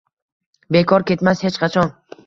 Bekor ketmas hech qachon.